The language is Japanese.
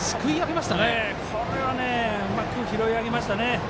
これはうまく拾い上げましたね。